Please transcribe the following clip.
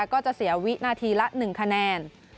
ก็จะเสียวินาทีละ๑คะแนน